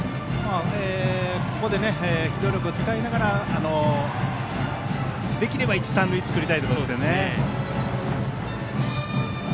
ここで機動力を使いながらできれば一、三塁を作りたいですね。